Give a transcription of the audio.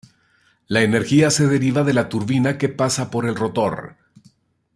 La energía se deriva de la turbina que pasa por el rotor.